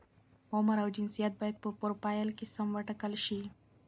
عمر او جنسیت باید په فروفیل کې سم وټاکل شي.